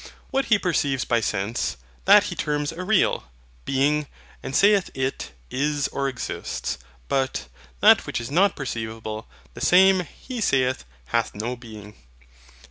What he perceives by sense, that he terms a real, being, and saith it IS OR EXISTS; but, that which is not perceivable, the same, he saith, hath no being.